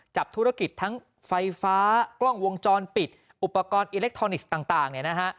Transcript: จับธุรกิจทั้งไฟฟ้ากล้องวงจรปิดอุปกรณ์อิเล็กทรอนิกส์ต่างเนี่ยนะฮะ